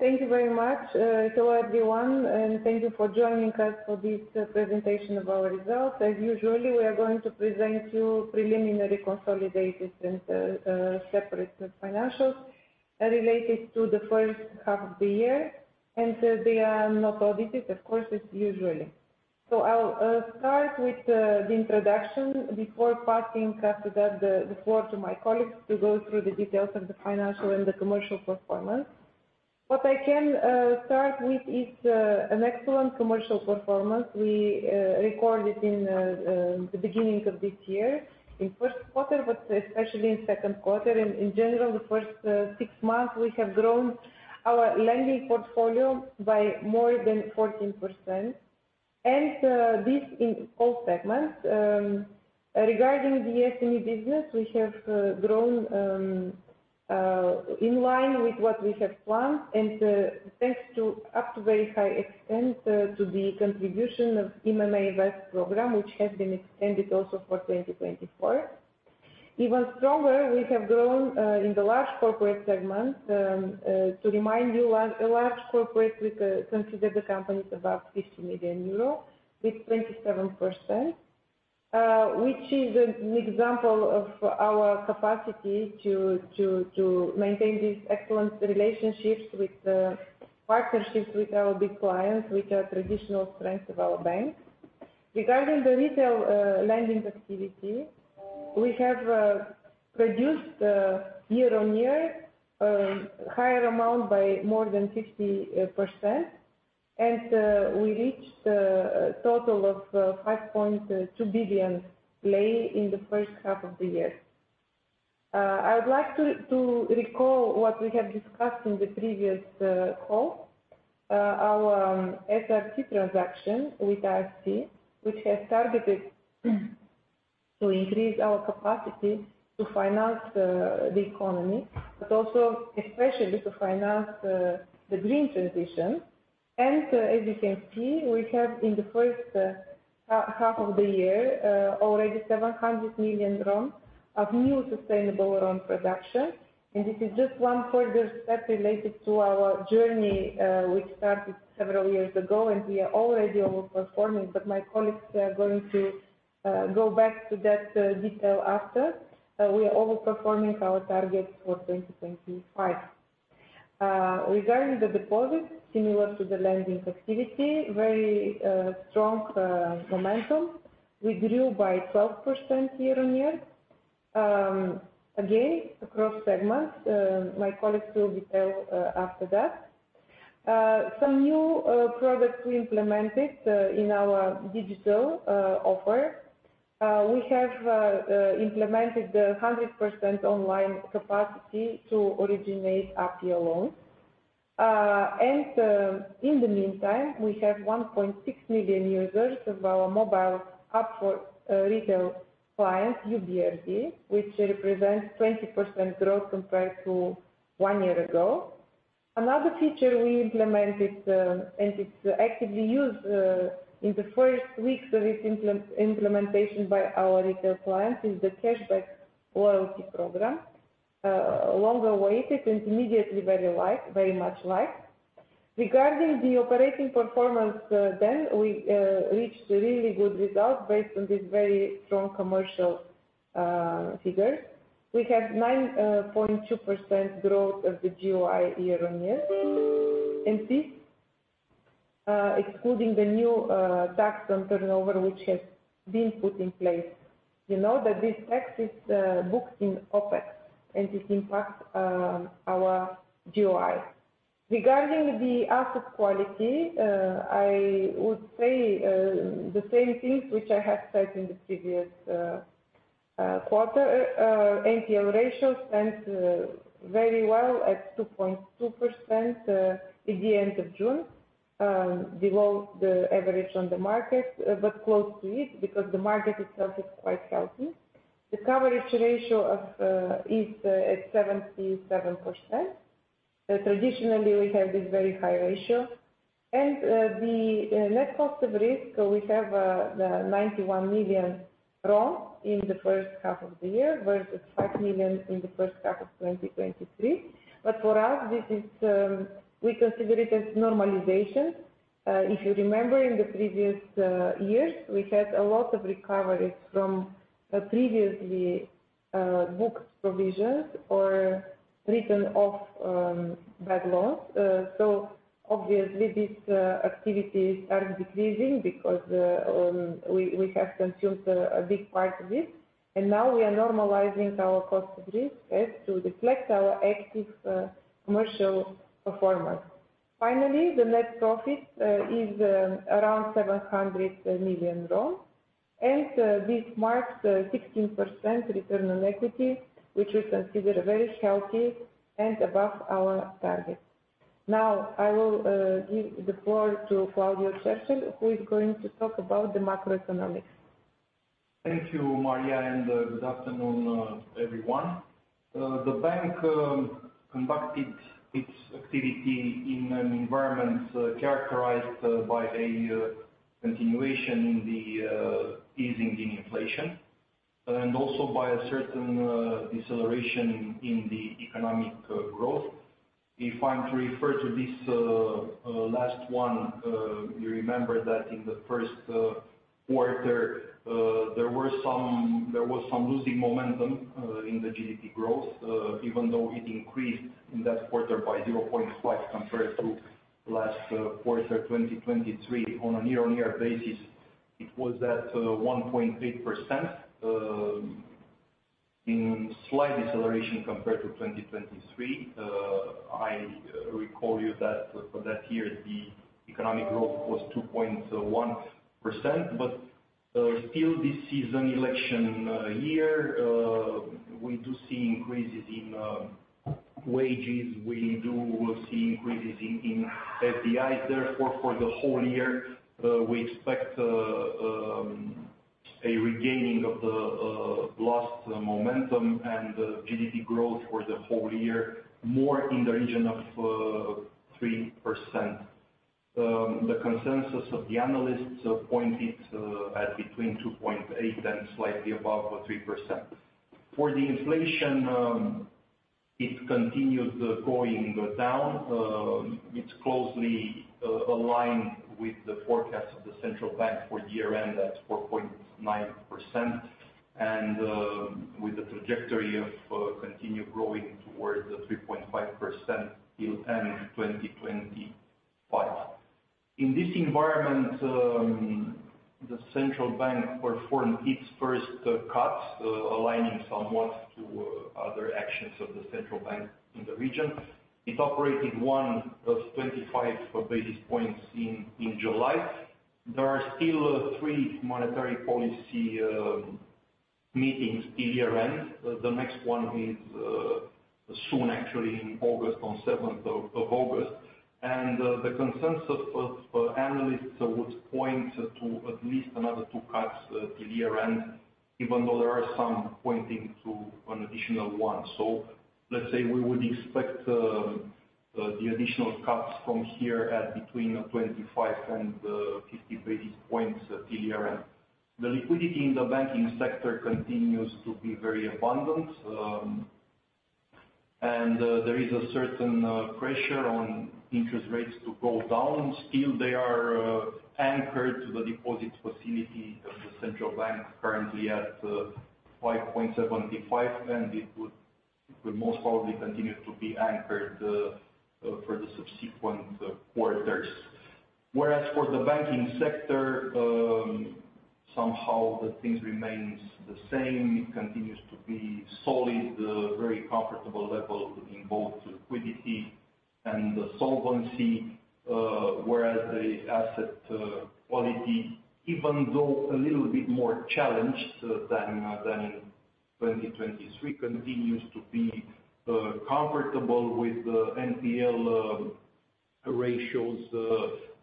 Hello, thank you very much to everyone, and thank you for joining us for this presentation of our results. As usually, we are going to present you preliminary consolidated and separate financials related to the first half of the year, and they are not audited, of course, as usually. So, I'll start with the introduction before passing after that the floor to my colleagues to go through the details of the financial and the commercial performance. What I can start with is an excellent commercial performance. We recorded in the beginning of this year, in Q1, but especially in Q2. And in general, the first six months, we have grown our lending portfolio by more than 14%, and this in all segments. Regarding the SME business, we have grown in line with what we have planned, and thanks to up to very high extent to the contribution of IMM Invest program, which has been extended also for 2024. Even stronger, we have grown in the large corporate segment. To remind you, large corporate, we consider the companies above 50 million euros, with 27%, which is an example of our capacity to maintain these excellent relationships with the partnerships with our big clients, which are traditional strength of our bank. Regarding the retail lending activity, we have produced year-on-year higher amount by more than 50%, and we reached a total of RON 5.2 billion Lei in the first half of the year. I would like to recall what we have discussed in the previous call. Our SRT transaction with IFC, which has targeted to increase our capacity to finance the economy, but also especially to finance the green transition. And as you can see, we have in the first half of the year already RON 700 million of new sustainable RON production. And this is just one further step related to our journey, which started several years ago, and we are already overperforming. But my colleagues are going to go back to that detail after. We are overperforming our target for 2025. Regarding the deposit, similar to the lending activity, very strong momentum. We grew by 12% year-on-year. Again, across segments, my colleagues will detail after that. Some new products we implemented in our digital offer. We have implemented the 100% online capacity to originate API loans. And in the meantime, we have 1.6 million users of our mobile app for retail clients, YOU BRD, which represents 20% growth compared to one year ago. Another feature we implemented, and it's actively used in the first weeks of its implementation by our retail clients, is the Cashback Loyalty Program. Long awaited and immediately very liked, very much liked. Regarding the operating performance, we reached a really good result based on this very strong commercial figures. We have 9.2% growth of the GOI year-on-year. And this, excluding the new tax on turnover, which has been put in place. You know, that this tax is booked in OpEx, and it impacts our GOI. Regarding the asset quality, I would say the same things which I have said in the previous quarter. NPL ratios stand very well at 2.2% at the end of June, below the average on the market, but close to it, because the market itself is quite healthy. The coverage ratio of is at 77%. Traditionally, we have this very high ratio. And the net cost of risk, we have RON 91 million in the first half of the year, versus RON 5 million in the first half of 2023. But for us, this is... we consider it as normalization. If you remember, in the previous years, we had a lot of recoveries from previously booked provisions or written off bad loans. So obviously, these activities are decreasing because we have consumed a big part of it, and now we are normalizing our cost of risk as to reflect our active commercial performance. Finally, the net profit is around RON 700 million, and this marks the 16% return on equity, which we consider very healthy and above our target. Now, I will give the floor to Claudiu Cercel, who is going to talk about the macroeconomics. Thank you, Maria, and good afternoon, everyone. The bank conducted its activity in an environment characterized by a continuation in the easing in inflation... and also by a certain deceleration in the economic growth. If I'm to refer to this last one, you remember that in the first quarter there were some-- there was some losing momentum in the GDP growth, even though it increased in that quarter by 0.5, compared to last quarter, 2023 on a year-on-year basis, it was at 1.8%, in slight deceleration compared to 2023. I recall you that for that year, the economic growth was 2.1%, but still this is an election year. We do see increases in wages, we do see increases in FDIs. Therefore, for the whole year, we expect a regaining of the lost momentum and the GDP growth for the whole year, more in the region of 3%. The consensus of the analysts point it at between 2.8% and slightly above the 3%. For the inflation, it continues going down. It's closely aligned with the forecast of the central bank for year-end, that's 4.9%. And, with the trajectory of continue growing towards the 3.5% till end 2025. In this environment, the central bank performed its first cuts, aligning somewhat to other actions of the central bank in the region. It operated one of 25 basis points in July. There are still 3 monetary policy meetings till year-end. The next one is soon, actually in August, on 7th of August. And the consensus of analysts would point to at least another 2 cuts till year-end, even though there are some pointing to an additional one. So let's say we would expect the additional cuts from here at between 25 and 50 basis points till year-end. The liquidity in the banking sector continues to be very abundant, and there is a certain pressure on interest rates to go down. Still they are anchored to the deposit facility of the central bank, currently at 5.75, and it would most probably continue to be anchored for the subsequent quarters. Whereas for the banking sector, somehow the things remains the same. It continues to be solid, very comfortable level in both liquidity and the solvency, whereas the asset quality, even though a little bit more challenged than in 2023, continues to be comfortable with the NPL ratios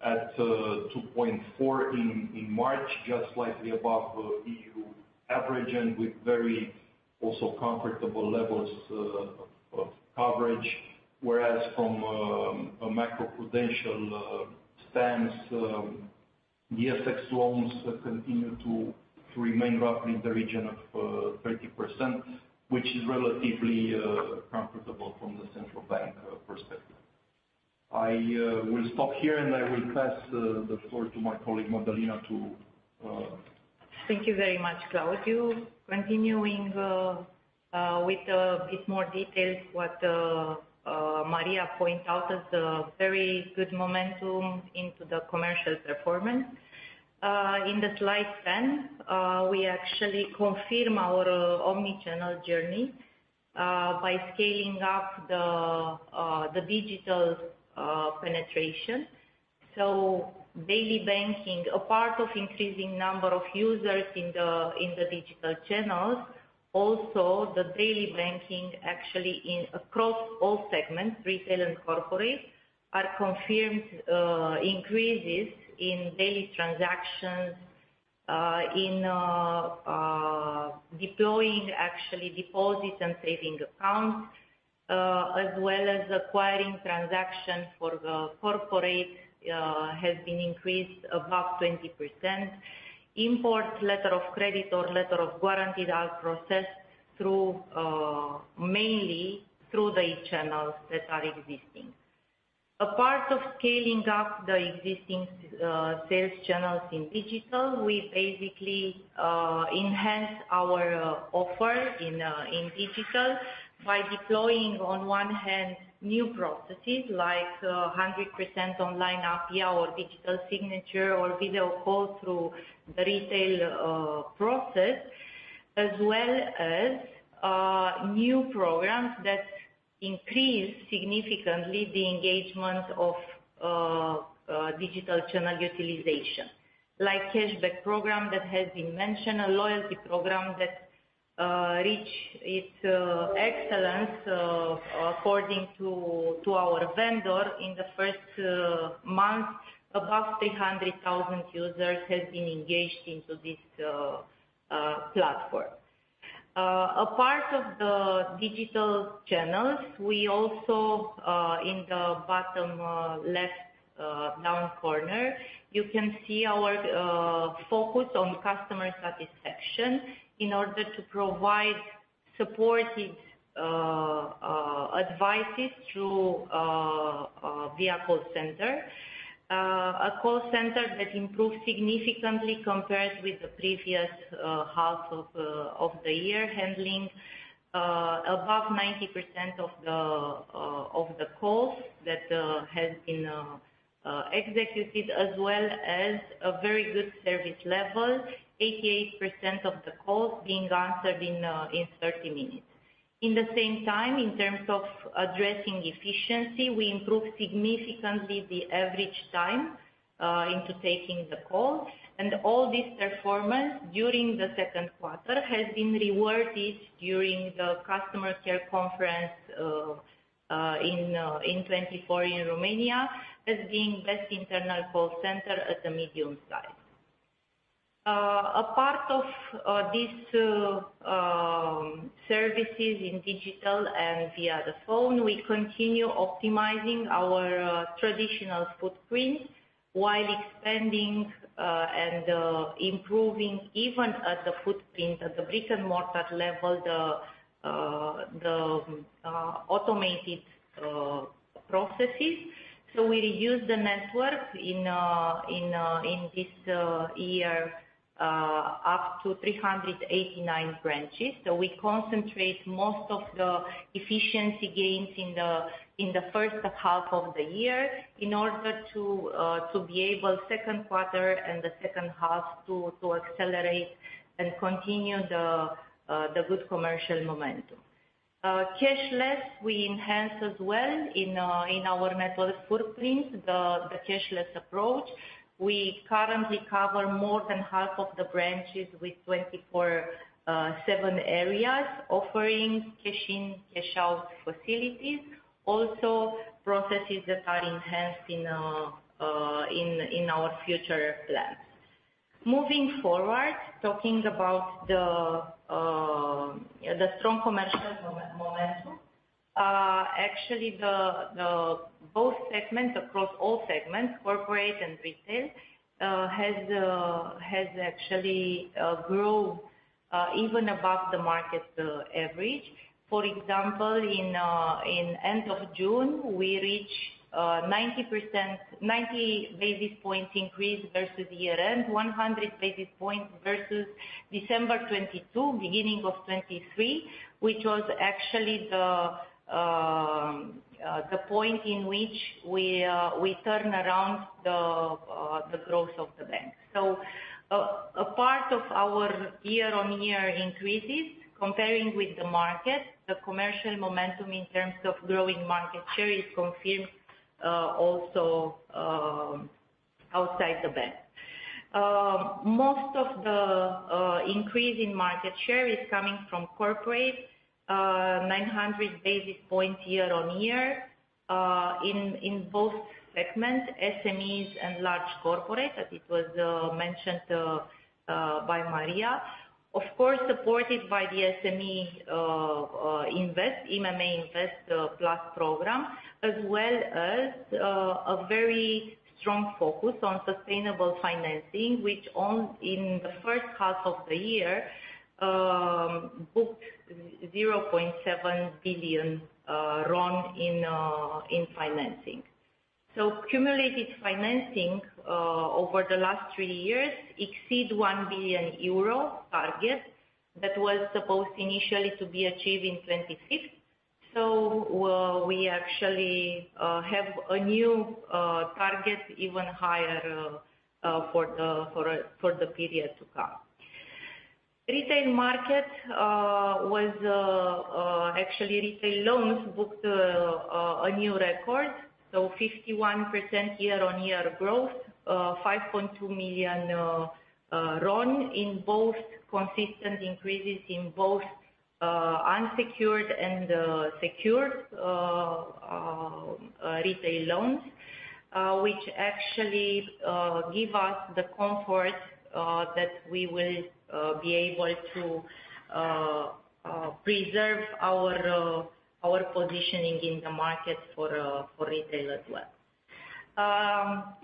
at 2.4 in March, just slightly above the EU average and with very also comfortable levels of coverage. Whereas from a macroprudential stance, the FX loans continue to remain roughly in the region of 30%, which is relatively comfortable from the central bank perspective. I will stop here, and I will pass the floor to my colleague, Mădălina, to- Thank you very much, Claudiu. Continuing with bit more details, what Maria point out as a very good momentum into the commercial performance. In slide 10, we actually confirm our omni-channel journey by scaling up the digital penetration. So daily banking, a part of increasing number of users in the digital channels, also the daily banking, actually, in across all segments, retail and corporate, are confirmed increases in daily transactions in deploying actually deposits and saving accounts as well as acquiring transactions for the corporate has been increased above 20%. Import letter of credit or letter of guarantee are processed through mainly through the channels that are existing. A part of scaling up the existing sales channels in digital, we basically enhance our offer in digital by deploying, on one hand, new processes like 100% online API or digital signature or video call through the retail process, as well as new programs that increase significantly the engagement of digital channel utilization. Like cashback program that has been mentioned, a loyalty program that reach its excellence according to our vendor. In the first month, above 300,000 users has been engaged into this platform. A part of the digital channels, we also in the bottom left down corner, you can see our focus on customer satisfaction in order to provide supportive advices through via call center. A call center that improved significantly compared with the previous half of the year, handling above 90% of the calls that has been executed, as well as a very good service level, 88% of the calls being answered in thirty minutes. In the same time, in terms of addressing efficiency, we improved significantly the average time into taking the call. All this performance during the Q2 has been rewarded during the Customer Care Conference in 2024 in Romania, as being Best Internal Call Center at the medium size. A part of these services in digital and via the phone, we continue optimizing our traditional footprint while expanding and improving even at the footprint, at the brick-and-mortar level, the automated processes. So we reduced the network in this year up to 389 branches. So we concentrate most of the efficiency gains in the first half of the year, in order to be able Q2 and the second half to accelerate and continue the good commercial momentum. Cashless, we enhanced as well in our network footprint, the cashless approach. We currently cover more than half of the branches with 24/7 areas, offering cash-in, cash-out facilities. Also, processes that are enhanced in our future plans. Moving forward, talking about the strong commercial momentum. Actually, both segments, across all segments, corporate and retail, has actually grown even above the market average. For example, in end of June, we reach 90%, 90 basis points increase versus year-end, 100 basis points versus December 2022, beginning of 2023, which was actually the point in which we turn around the growth of the bank. So, a part of our year-on-year increases, comparing with the market, the commercial momentum in terms of growing market share is confirmed also outside the bank. Most of the increase in market share is coming from corporate, 900 basis points year-on-year, in both segments, SMEs and large corporate, as it was mentioned by Maria. Of course, supported by the SME IMM Invest Plus program, as well as a very strong focus on sustainable financing, which in the first half of the year, booked RON 0.7 billion in financing. So cumulative financing over the last three years exceed 1 billion euro target that was supposed initially to be achieved in 2026. So we actually have a new target, even higher, for the period to come. Retail market was actually retail loans booked a new record, so 51% year-on-year growth, RON 5.2 million, in both consistent increases in both unsecured and secured retail loans, which actually give us the comfort that we will be able to preserve our positioning in the market for retail as well.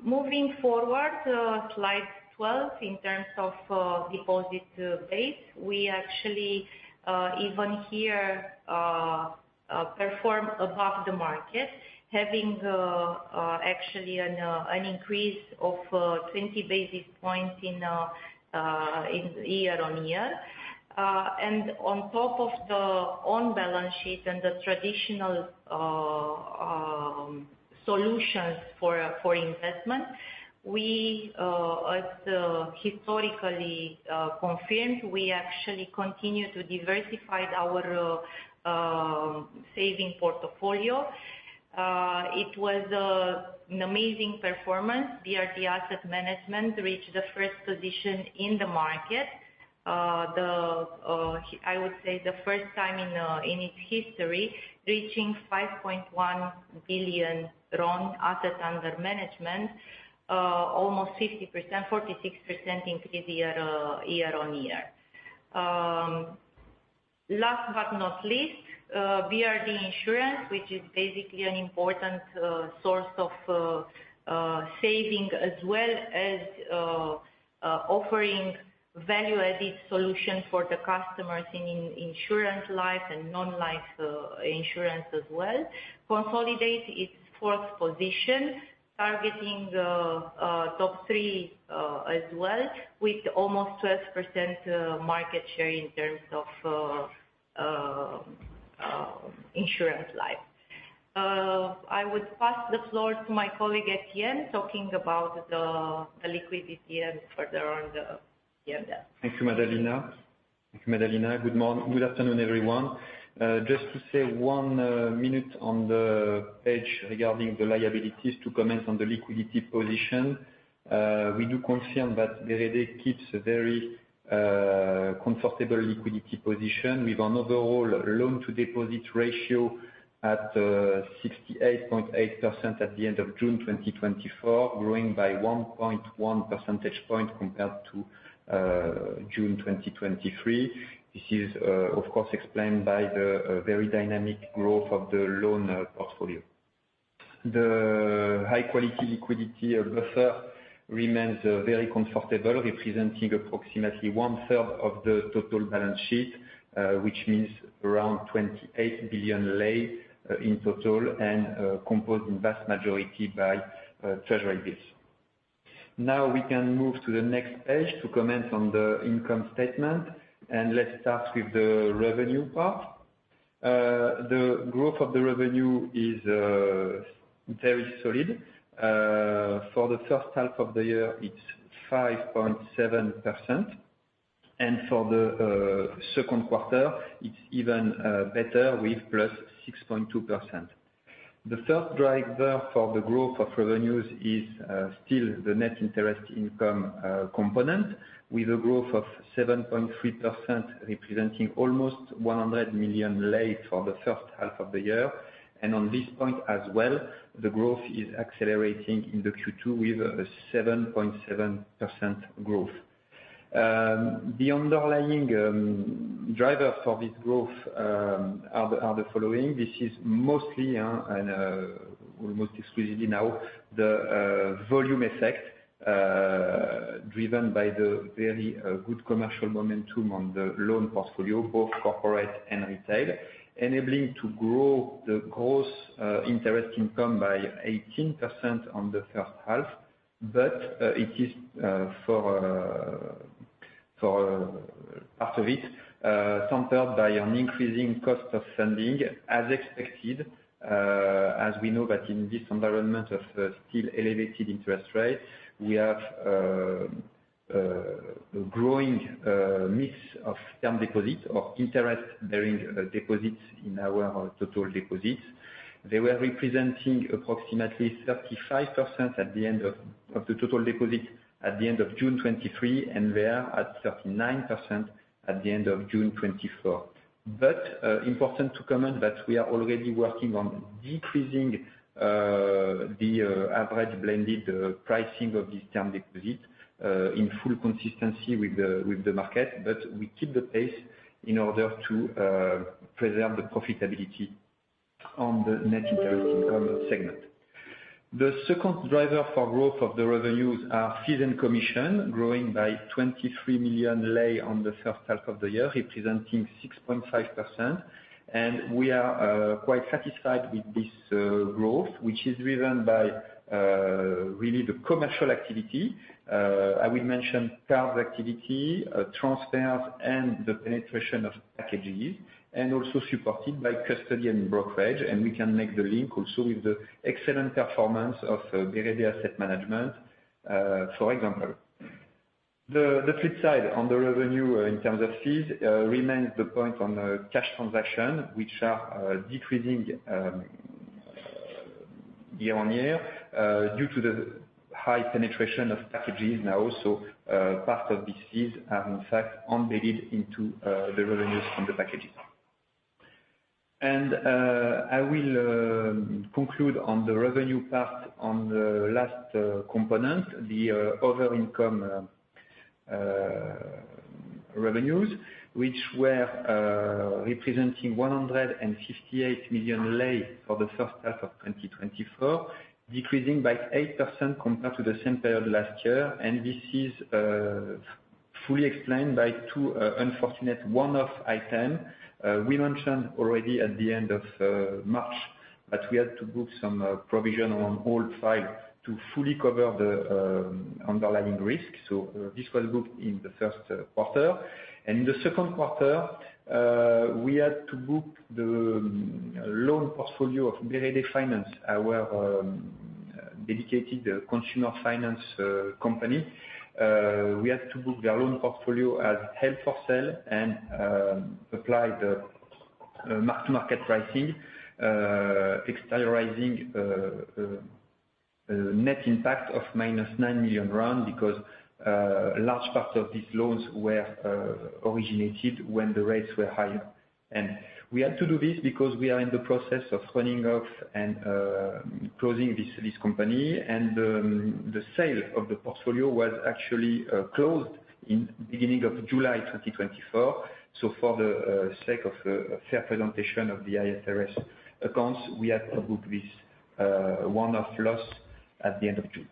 Moving forward to slide 12, in terms of deposit base, we actually even here perform above the market, having actually an increase of 20 basis points in year-on-year. And on top of the on-balance sheet and the traditional solutions for investment, we, as historically confirmed, we actually continue to diversify our saving portfolio. It was an amazing performance. BRD Asset Management reached the first position in the market. I would say, the first time in its history, reaching RON 5.1 billion assets under management, almost 50%, 46% increase year-on-year. Last but not least, BRD Insurance, which is basically an important source of saving, as well as offering value-added solutions for the customers in life and non-life insurance as well. Consolidate its fourth position, targeting a top three as well, with almost 12% market share in terms of life insurance. I would pass the floor to my colleague, Etienne, talking about the liquidity and further on the end. Thank you, Mădălina. Thank you, Mădălina. Good morning, good afternoon, everyone. Just to say one minute on the page regarding the liabilities, to comment on the liquidity position. We do confirm that BRD keeps a very comfortable liquidity position, with an overall loan-to-deposit ratio at 68.8% at the end of June 2024, growing by 1.1 percentage points compared to June 2023. This is, of course, explained by the very dynamic growth of the loan portfolio. The high-quality liquidity buffer remains very comfortable, representing approximately one-third of the total balance sheet, which means around RON 28 billion in total, and composed in vast majority by treasury bills. Now, we can move to the next page to comment on the income statement, and let's start with the revenue part. The growth of the revenue is very solid. For the first half of the year, it's 5.7%, and for the Q2, it's even better with +6.2%. The first driver for the growth of revenues is still the net interest income component, with a growth of 7.3%, representing almost RON 100 million for the first half of the year. And on this point as well, the growth is accelerating in the Q2 with a 7.7% growth. The underlying driver for this growth are the following: this is mostly and almost exclusively now the volume effect, driven by the very good commercial momentum on the loan portfolio, both corporate and retail, enabling to grow the gross interest income by 18% on the first half, but it is for part of it tempered by an increasing cost of funding as expected, as we know that in this environment of still elevated interest rates, we have a growing mix of term deposits, of interest-bearing deposits in our total deposits. They were representing approximately 35% at the end of the total deposits at the end of June 2023, and they are at 39% at the end of June 2024. But important to comment that we are already working on decreasing the average blended pricing of this term deposit in full consistency with the market, but we keep the pace in order to preserve the profitability on the net interest income segment. The second driver for growth of the revenues are fees and commission, growing by RON 23 million on the first half of the year, representing 6.5%. We are quite satisfied with this growth, which is driven by really the commercial activity. I will mention cards activity, transfers, and the penetration of packages, and also supported by custody and brokerage. We can make the link also with the excellent performance of BRD Asset Management, for example. The flip side on the revenue in terms of fees remains the point on the cash transaction, which are decreasing year-over-year due to the high penetration of packages now. So, part of these fees are in fact embedded into the revenues from the packages. And, I will conclude on the revenue part on the last component, the other income revenues, which were representing RON 158 million for the first half of 2024, decreasing by 8% compared to the same period last year. And this is fully explained by two unfortunate one-off item. We mentioned already at the end of March, that we had to book some provision on old file to fully cover the underlying risk. So, this was booked in the Q1. In the Q2, we had to book the loan portfolio of BRD Finance, our dedicated consumer finance company. We had to book their loan portfolio as held for sale and apply the mark-to-market pricing, exteriorizing net impact of -RON 9 million, because large parts of these loans were originated when the rates were higher. We had to do this because we are in the process of running off and closing this company, and the sale of the portfolio was actually closed in beginning of July 2024. So for the sake of fair presentation of the IFRS accounts, we had to book this one-off loss at the end of June.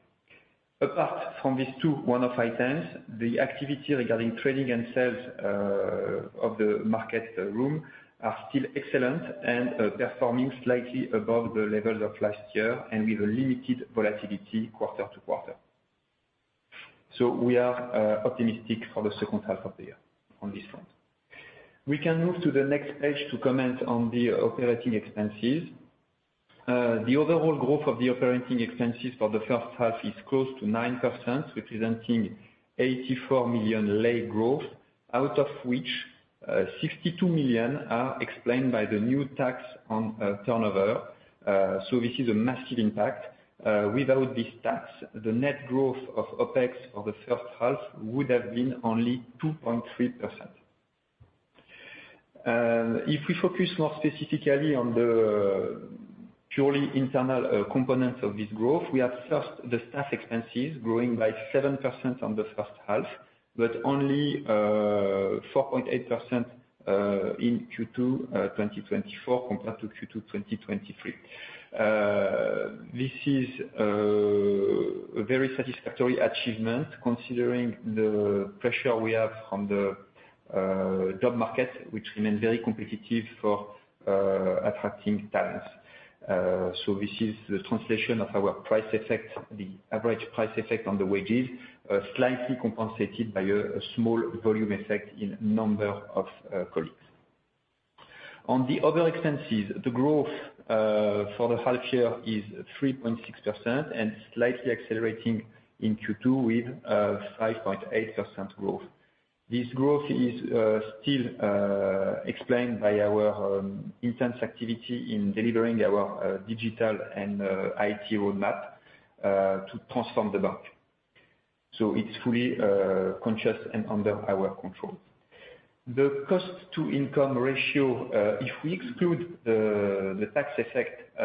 Apart from these 2 one-off items, the activity regarding trading and sales of the market room are still excellent and performing slightly above the levels of last year, and with a limited volatility quarter to quarter. So we are optimistic for the second half of the year on this front. We can move to the next page to comment on the operating expenses. The overall growth of the operating expenses for the first half is close to 9%, representing 84 million RON growth, out of which 62 million RON are explained by the new tax on turnover. So this is a massive impact. Without this tax, the net growth of OpEx for the first half would have been only 2.3%. If we focus more specifically on the purely internal components of this growth, we have first, the staff expenses growing by 7% on the first half, but only 4.8% in Q2 2024 compared to Q2 2023. This is a very satisfactory achievement considering the pressure we have from the job market, which remains very competitive for attracting talents. So this is the translation of our price effect, the average price effect on the wages, slightly compensated by a small volume effect in number of colleagues. On the other expenses, the growth for the half year is 3.6% and slightly accelerating in Q2 with 5.8% growth. This growth is still explained by our intense activity in delivering our digital and IT roadmap to transform the bank. So it's fully conscious and under our control. The cost-to-income ratio, if we exclude the tax effect,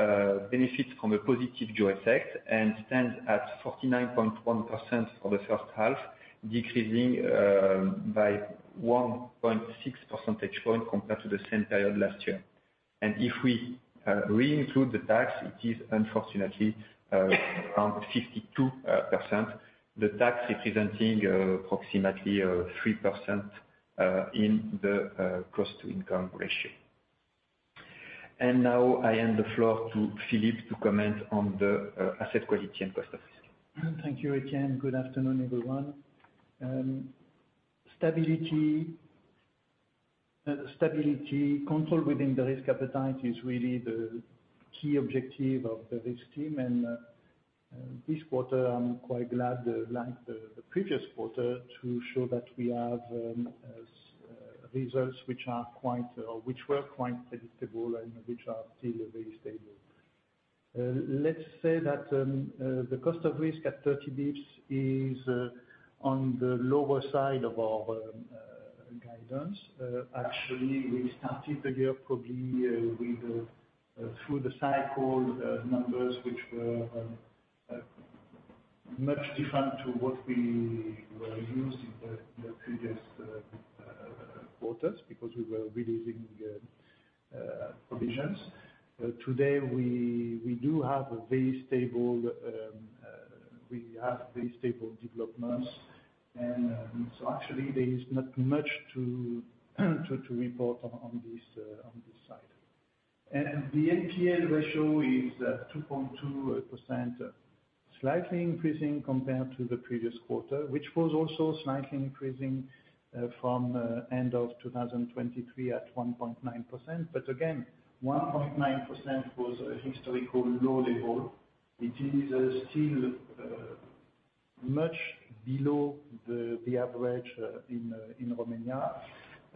benefits from a positive jaws effect and stands at 49.1% for the first half, decreasing by 1.6 percentage point compared to the same period last year. If we reinclude the tax, it is unfortunately around 52%, the tax representing approximately 3% in the cost-to-income ratio. Now I hand the floor to Philippe to comment on the asset quality and cost of risk. Thank you, Etienne. Good afternoon, everyone. Stability control within the risk appetite is really the key objective of the risk team, and this quarter, I'm quite glad, like the previous quarter, to show that we have results which are quite, which were quite predictable and which are still very stable. Let's say that the cost of risk at 30 basis points is on the lower side of our guidance. Actually, we started the year probably with through the cycle numbers which were much different to what we were used in the previous quarters, because we were releasing the provisions. Today, we do have a very stable, we have very stable developments. Actually, there is not much to report on this side. The NPL ratio is 2.2%, slightly increasing compared to the previous quarter, which was also slightly increasing from end of 2023 at 1.9%. But again, 1.9% was a historical low level. It is still much below the average in Romania.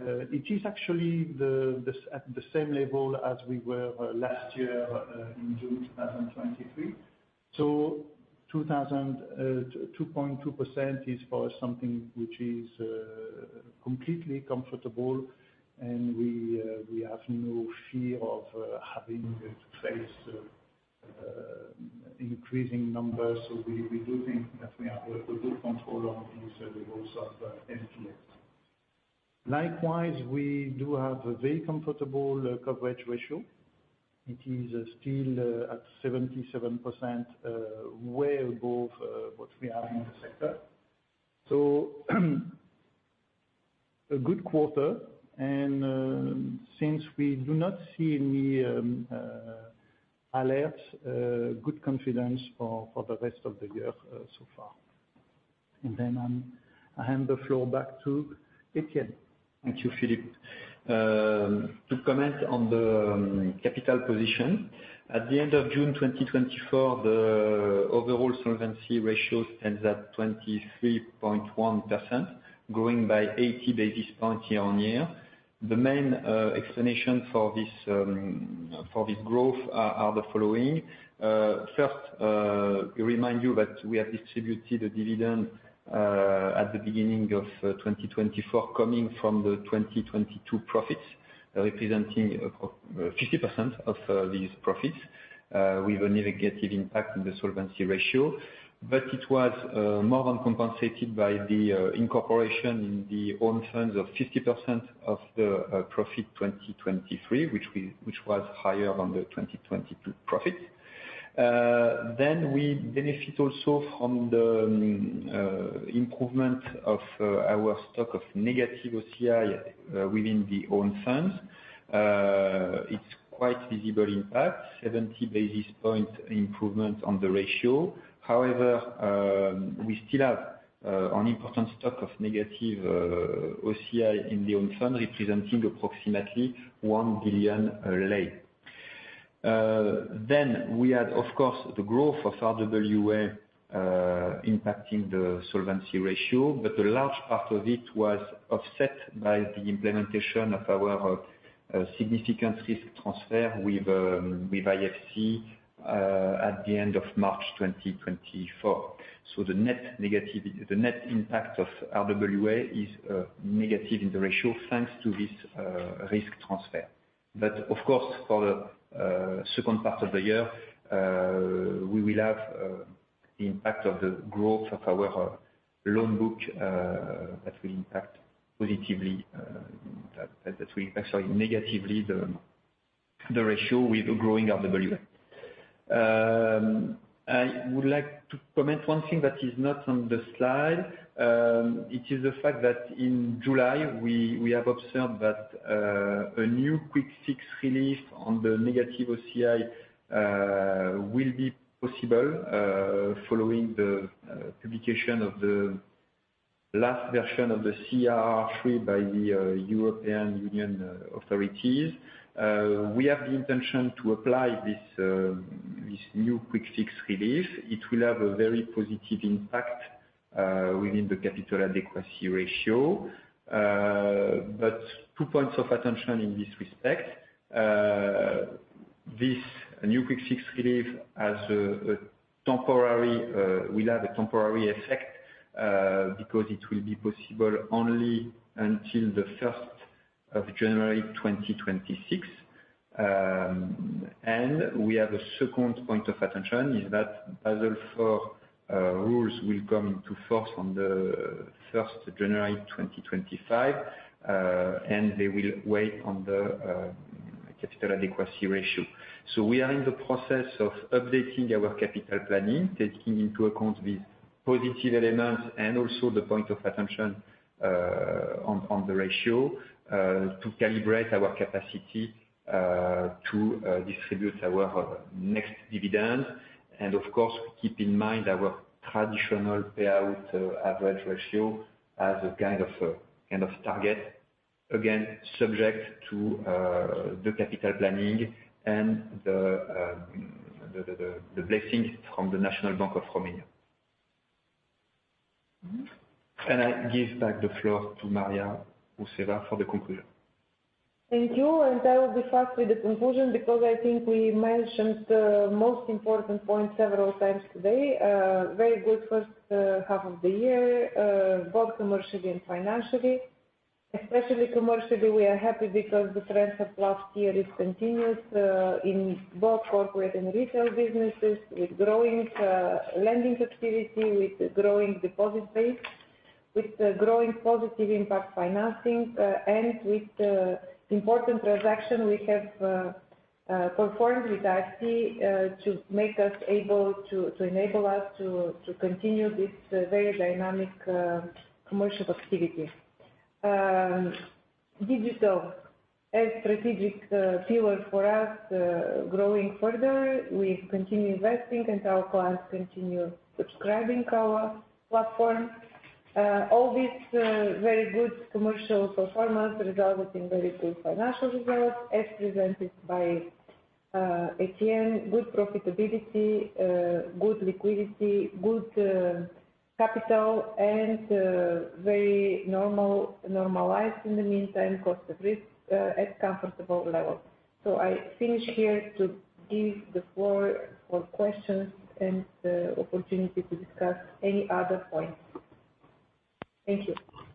It is actually at the same level as we were last year in June 2023. So, 2.2% is for something which is completely comfortable, and we have no fear of having to face increasing numbers. So we do think that we have a good control on these levels of NPL. Likewise, we do have a very comfortable coverage ratio. It is still at 77%, way above what we have in the sector. So, a good quarter, and since we do not see any alerts, good confidence for the rest of the year, so far. And then, I hand the floor back to Etienne. Thank you, Philippe. To comment on the capital position, at the end of June 2024, the overall solvency ratio stands at 23.1%, growing by 80 basis points year-on-year. The main explanation for this growth are the following. First, we remind you that we have distributed a dividend at the beginning of 2024, coming from the 2022 profits, representing 50% of these profits. With a negative impact on the solvency ratio, but it was more than compensated by the incorporation in the own funds of 50% of the profit 2023, which was higher than the 2022 profits. Then we benefit also from the improvement of our stock of negative OCI within the own funds. It's quite visible impact, 70 basis point improvement on the ratio. However, we still have an important stock of negative OCI in the own fund, representing approximately RON 1 billion. Then we had, of course, the growth of RWA, impacting the solvency ratio, but a large part of it was offset by the implementation of our significant risk transfer with IFC at the end of March 2024. So the net impact of RWA is negative in the ratio, thanks to this risk transfer. But, of course, for the second part of the year, we will have the impact of the growth of our loan book, that will impact positively, that will impact, sorry, negatively the ratio with growing RWA. I would like to comment one thing that is not on the slide. It is the fact that in July, we have observed that a new Quick Fix relief on the negative OCI will be possible following the publication of the last version of the CRR III by the European Union authorities. We have the intention to apply this new Quick Fix relief. It will have a very positive impact within the capital adequacy ratio. But two points of attention in this respect. This new Quick Fix relief will have a temporary effect because it will be possible only until the first of January 2026. And we have a second point of attention, is that Basel IV rules will come to force on the first January 2025, and they will weigh on the capital adequacy ratio. So, we are in the process of updating our capital planning, taking into account the positive elements and also the point of attention on the ratio to calibrate our capacity to distribute our next dividend. And, of course, keep in mind our traditional payout average ratio as a kind of target. Again, subject to the capital planning and the blessing from the National Bank of Romania. And I give back the floor to Maria Rousseva for the conclusion. Thank you, and I will be fast with the conclusion because I think we mentioned the most important point several times today. Very good first half of the year, both commercially and financially. Especially commercially, we are happy because the trends of last year is continuous in both corporate and retail businesses, with growing lending activity, with growing deposit base, with the growing positive impact financing, and with the important transaction we have performed with IFC, to make us able to enable us to continue this very dynamic commercial activity. Digital as strategic pillar for us, growing further. We continue investing, and our clients continue subscribing our platform. All this very good commercial performance resulted in very good financial results, as presented by Etienne. Good profitability, good liquidity, good capital, and very normal, normalized in the meantime, cost of risk at comfortable level. So I finish here to give the floor for questions and the opportunity to discuss any other points. Thank you.